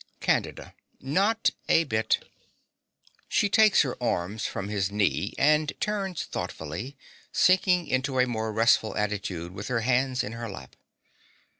CANDIDA. Not a bit. (She takes her arms from his knee, and turns thoughtfully, sinking into a more restful attitude with her hands in her lap.)